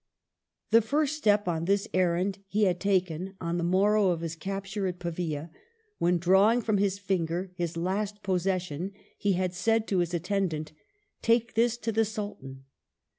The first step on this errand he had taken on the morrow of his capture at Pavia, when, draw ing from his finger his last possession, he had said to his attendant, " Take this to the Sultan